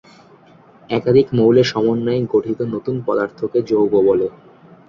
একাধিক মৌলের সমন্বয়ে গঠিত নতুন পদার্থকে যৌগ বলে।